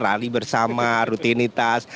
rally bersama rutinitas